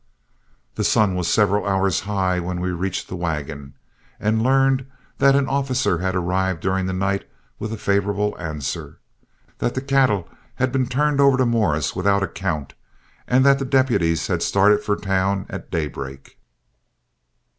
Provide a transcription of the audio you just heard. The sun was several hours high when we reached the wagon, and learned that an officer had arrived during the night with a favorable answer, that the cattle had been turned over to Morris without a count, and that the deputies had started for town at daybreak.